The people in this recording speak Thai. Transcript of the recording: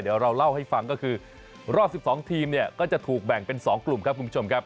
เดี๋ยวเราเล่าให้ฟังก็คือรอบ๑๒ทีมเนี่ยก็จะถูกแบ่งเป็น๒กลุ่มครับคุณผู้ชมครับ